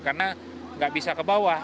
karena gak bisa ke bawah